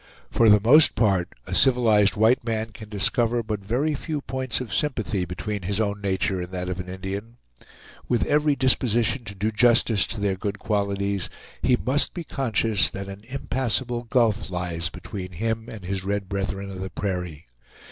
For the most part, a civilized white man can discover but very few points of sympathy between his own nature and that of an Indian. With every disposition to do justice to their good qualities, he must be conscious that an impassable gulf lies between him and his red brethren of the prairie.